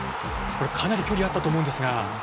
かなり距離あったと思うんですが。